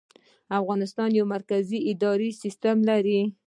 افغانستان یو مرکزي اداري سیستم لري